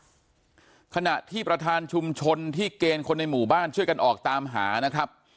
ขณะที่ประธานชุมชนที่เกณฑ์คนในหมู่บ้านช่วยกันออกตามหานะครับ